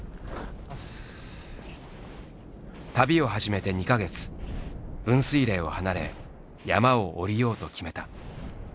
旅を始めて２か月分水嶺を離れ山を下りようと決めた。